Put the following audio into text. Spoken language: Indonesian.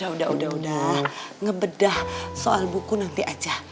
udah udah ngebedah soal buku nanti aja